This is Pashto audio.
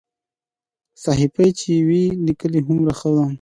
صحیفه چې وي لیکلې هومره ښه ده.